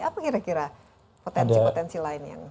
apa kira kira potensi potensi lain yang